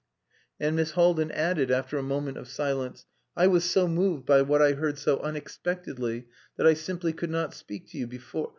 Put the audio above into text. '" And Miss Haldin added, after a moment of silence "I was so moved by what I heard so unexpectedly that I simply could not speak to you before....